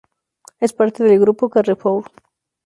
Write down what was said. Es parte del grupo Carrefour.